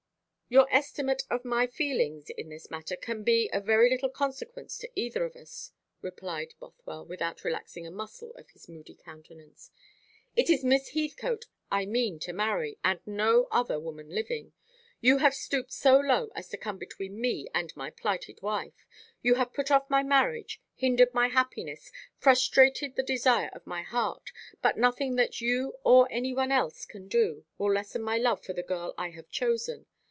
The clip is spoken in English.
"Your estimate of my feelings in this matter can be of very little consequence to either of us," replied Bothwell, without relaxing a muscle of his moody countenance. "It is Miss Heathcote I mean to marry, and no other woman living. You have stooped so low as to come between me and my plighted wife. You have put off my marriage, hindered my happiness, frustrated the desire of my heart; but nothing that you or any one else can do will lessen my love for the girl I have chosen.